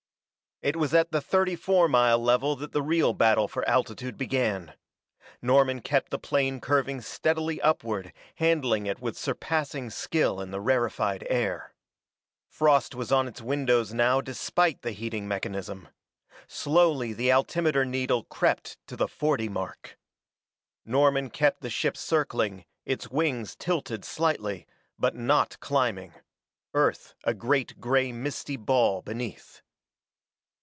It was at the thirty four mile level that the real battle for altitude began. Norman kept the plane curving steadily upward, handling it with surpassing skill in the rarefied air. Frost was on its windows now despite the heating mechanism. Slowly the altimeter needle crept to the forty mark. Norman kept the ship circling, its wings tilted slightly, but not climbing, Earth a great gray misty ball beneath.